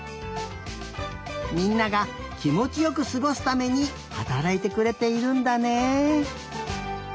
みんながきもちよくすごすためにはたらいてくれているんだね。